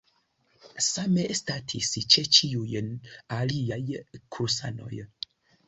Same statis ĉe ĉiuj aliaj kursanoj.